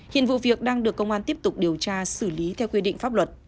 hiện vụ việc đang được công an tiếp tục điều tra xử lý theo quy định pháp luật